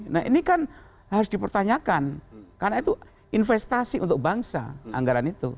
nah ini kan harus dipertanyakan karena itu investasi untuk bangsa anggaran itu